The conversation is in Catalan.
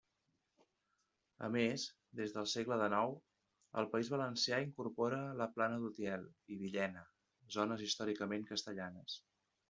A més, des del segle dènou el País Valencià incorpora la Plana d'Utiel i Villena, zones històricament castellanes.